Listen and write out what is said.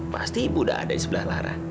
pasti ibu udah ada di sebelah lara